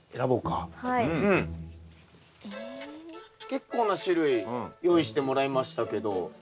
結構な種類用意してもらいましたけど。